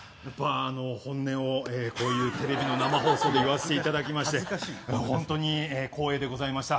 本音をこういうテレビの生放送で言わせていただきまして本当に光栄でございました。